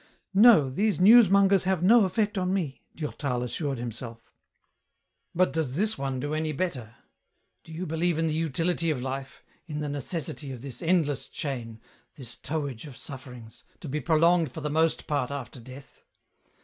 " No ; these newsmongers have no effect on me," Durtal assured himself. " But does this one do any better ? Do you believe in the utiUty of life, in the necessity of this endless chain, this tow age of sufferings, to be prolonged for the most part after death